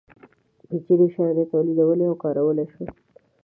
پېچلي شیان یې تولیدولی او کارولی شول.